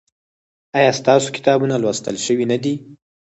ایا ستاسو کتابونه لوستل شوي نه دي؟